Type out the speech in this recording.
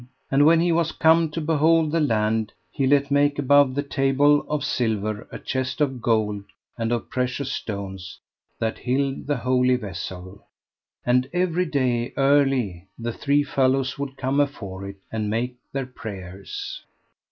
And when he was come to behold the land, he let make above the table of silver a chest of gold and of precious stones, that hilled the Holy Vessel. And every day early the three fellows would come afore it, and make their prayers.